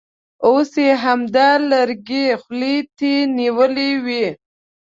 اوس یې همدا لرګی خولې ته نیولی وي.